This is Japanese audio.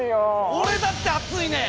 俺だって暑いねん！